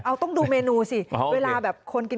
เอาต้องดูเมนูสิ